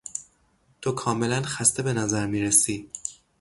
تو کاملا خسته به نظر میرسی!